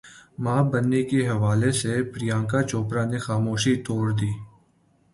ماں بننے کے حوالے سے پریانکا چوپڑا نے خاموشی توڑ دی